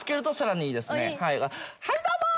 はいどうも！